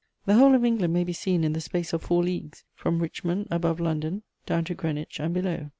The whole of England may be seen in the space of four leagues, from Richmond, above London, down to Greenwich and below.